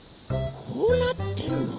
こうなってるの？